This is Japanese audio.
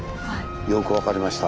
よく分かりました。